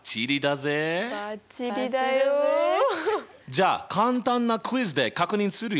じゃあ簡単なクイズで確認するよ。